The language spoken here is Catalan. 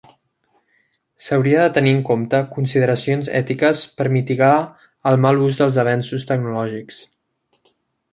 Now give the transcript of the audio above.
S'hauria de tenir en compte consideracions ètiques per mitigar el mal ús dels avenços tecnològics.